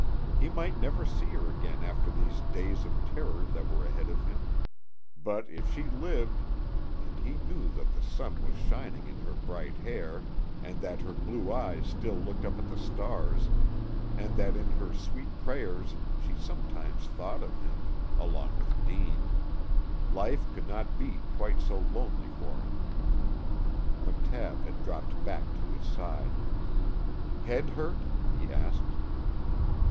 He might never see her again after these days of terror that were ahead of him; but if she lived, and he knew that the sun was shining in her bright hair, and that her blue eyes still looked up at the stars, and that in her sweet prayers she sometimes thought of him along with Deane life could not be quite so lonely for him. McTabb had dropped back to his side. "Head hurt?" he asked.